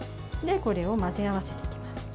これを混ぜ合わせていきます。